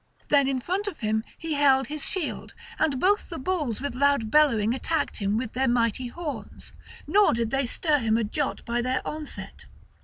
Then in front of him he held his shield; and both the bulls with loud bellowing attacked him with their mighty horns; nor did they stir him a jot by their onset.